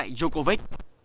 trong loại djokovic